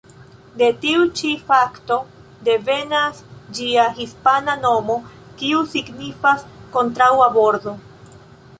De tiu ĉi fakto devenas ĝia hispana nomo, kiu signifas "kontraŭa bordo".